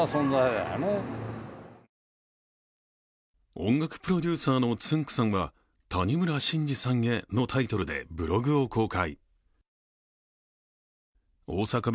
音楽プロデューサーのつんく♂さんは「谷村新司さんへ」のタイトルでブログを公開。